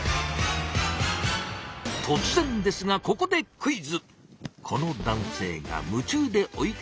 とつ然ですがここでクイズ！